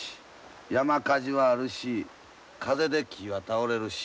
山火事はあるし風で木は倒れるし。